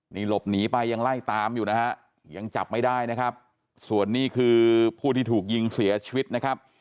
นี่หลบหนีไปยังไล่ตามอยู่นะฮะยังจับไม่ได้นะครับส่วนนี้คือผู้ที่ถูกยิงเสียชีวิตนะครับ